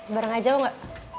bareng aja mau gak